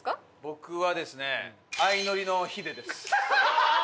僕はですね『あいのり』のヒデです。